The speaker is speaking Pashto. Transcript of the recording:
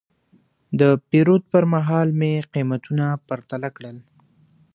د پیرود پر مهال مې قیمتونه پرتله کړل.